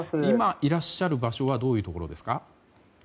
今いらっしゃる場所はどういうところですか？